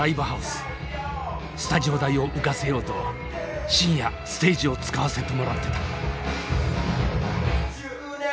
スタジオ代を浮かせようと深夜ステージを使わせてもらってた。